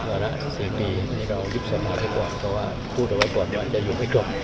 เพราะว่าพูดว่าปวดหวานจะอยู่ไม่กลบ